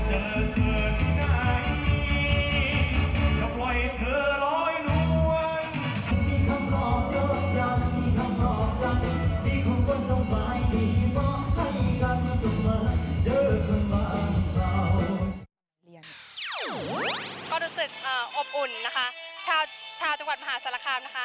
ชาวจังหวัดมหาสรรคามนะคะ